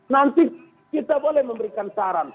nanti kita boleh memberikan saran